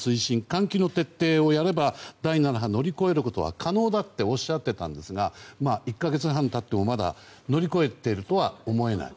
換気の徹底をやれば第７波を乗り越えることは可能だとおっしゃってたんですが１か月半経っても乗り越えているとは思えない。